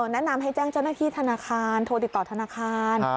แนะนำให้แจ้งเจ้าหน้าที่ธนาคารโทรติดต่อธนาคาร